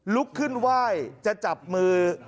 ลุกขึ้นไหว้จะจับมือ